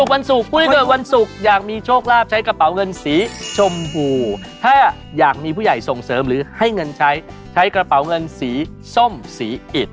วันศุกร์ผู้ที่เกิดวันศุกร์อยากมีโชคลาภใช้กระเป๋าเงินสีชมพูถ้าอยากมีผู้ใหญ่ส่งเสริมหรือให้เงินใช้ใช้กระเป๋าเงินสีส้มสีอิด